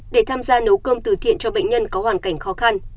để tham gia nấu cơm từ thiện cho bệnh nhân có hoàn cảnh khó khăn